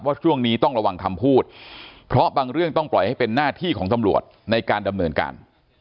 ช่วงนี้ต้องระวังคำพูดเพราะบางเรื่องต้องปล่อยให้เป็นหน้าที่ของตำรวจในการดำเนินการ